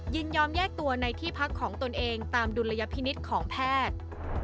ยินยอมแยกตัวในที่พักของตนเองตามดุลยพินิษฐ์ของแพทย์